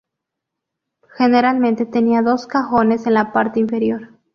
Generalmente tenía dos cajones en la parte inferior.